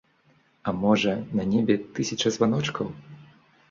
А можа, на небе тысяча званочкаў?